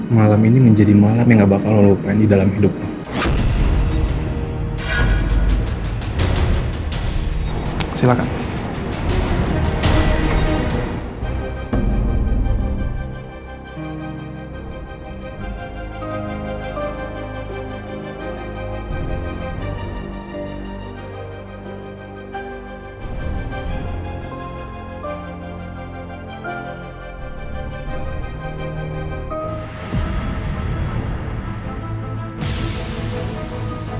malam ini menjadi malam yang gak bakal lo lupain di dalam hidup lo